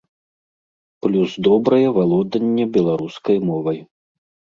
Плюс добрае валоданне беларускай мовай.